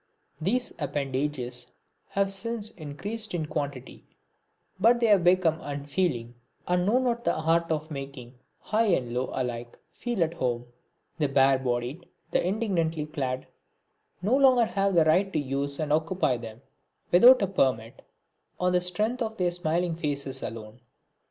These appendages have since increased in quantity, but they have become unfeeling, and know not the art of making high and low alike feel at home. The bare bodied, the indigently clad, no longer have the right to use and occupy them, without a permit, on the strength of their smiling faces alone.